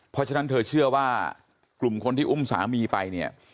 เพราะฉะนั้นเธอเชื่อว่ากลุ่มคนที่อุ้มสามีไปเนี่ย